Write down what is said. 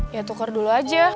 ya tuker dulu aja